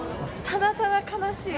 ただただ悲しい。